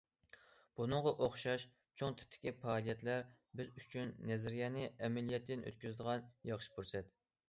بۇنىڭغا ئوخشاش چوڭ تىپتىكى پائالىيەتلەر بىز ئۈچۈن نەزەرىيەنى ئەمەلىيەتتىن ئۆتكۈزىدىغان ياخشى پۇرسەت.